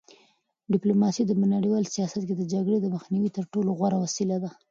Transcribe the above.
ډیپلوماسي په نړیوال سیاست کې د جګړې د مخنیوي تر ټولو غوره وسیله ده.